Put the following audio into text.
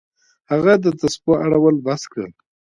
هغه د تسبو اړول بس کړل.